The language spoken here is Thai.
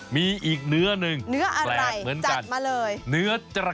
มีอีกเนื้อนึงแปลกเหมือนกันเนื้ออะไรจัดมาเลย